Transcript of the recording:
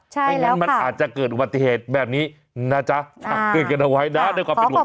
ใช่แล้วค่ะไม่งั้นมันอาจจะเกิดอุบัติเหตุแบบนี้นะจ๊ะขับเกิดกันเอาไว้นะด้วยความเป็นหัวจริง